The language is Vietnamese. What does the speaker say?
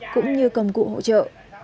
cũng như cầm cụ hỗ trợ